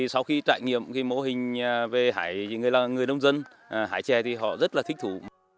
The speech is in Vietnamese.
sau khi trải nghiệm mô hình về người nông dân hải trẻ thì họ rất là thích thú